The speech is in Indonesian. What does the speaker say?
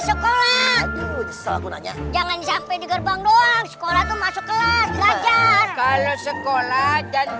sekolah jangan sampai di gerbang doang sekolah itu masuk kelas belajar kalau sekolah dan